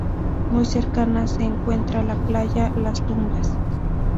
Muy cercana se encuentra la playa Las Tumbas.